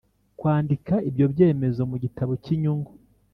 Kwandika ibyo byemezo mu gitabo cy inyungu